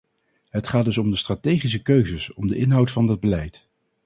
Het gaat dus om de strategische keuzes, om de inhoud van dat beleid.